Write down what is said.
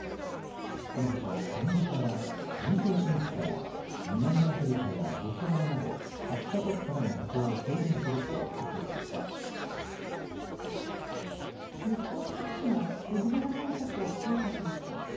このほか、アメリカは２９日から南アフリカやボツワナなど８か国からの渡航日本政府も水際対策を強化しました。